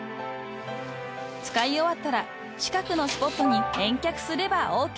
［使い終わったら近くのスポットに返却すればＯＫ］